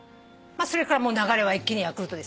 それから流れは一気にヤクルトですよ。